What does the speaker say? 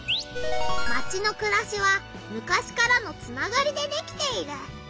マチのくらしは昔からのつながりでできている。